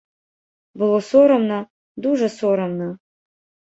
Было сорамна, дужа сорамна.